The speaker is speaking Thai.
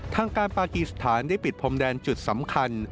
ทางการปากีสถานได้ปิดพรมแดนจุดสำคัญ